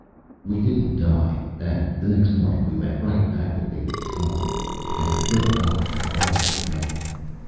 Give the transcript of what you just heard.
We didn't die, and next morning we went right back the way we'd come. And little Albert got awful heavy.